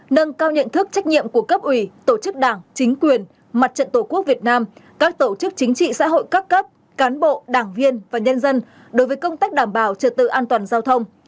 nâng cao nhận thức trách nhiệm của cấp ủy tổ chức đảng chính quyền mặt trận tổ quốc việt nam các tổ chức chính trị xã hội các cấp cán bộ đảng viên và nhân dân đối với công tác đảm bảo trật tự an toàn giao thông